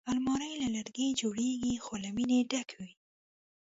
الماري له لرګي جوړېږي خو له مینې ډکې وي